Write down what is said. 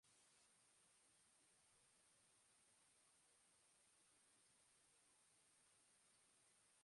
Garai honetan ohikoak diren jakien prezioek gora egiten dute normalean.